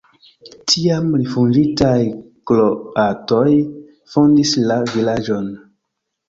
Tiam rifuĝintaj kroatoj fondis la vilaĝon.